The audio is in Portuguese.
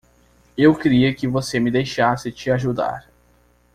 Eu queria que você me deixasse te ajudar.